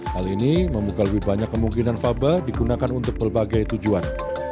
hal ini membuka lebih banyak kemungkinan faba digunakan untuk berbagai tujuan